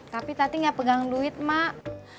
tapi tadi nggak pegang duit mak